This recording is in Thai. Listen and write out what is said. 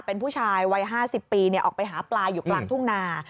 เป็นผู้ชายวัย๕๐ปีออกไปหาปลาอยู่กลางทุ่งนา